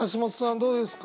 どうですか？